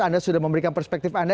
anda sudah memberikan perspektif anda